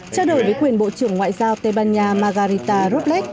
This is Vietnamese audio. trao đổi với quyền bộ trưởng ngoại giao tây ban nha margarita rublek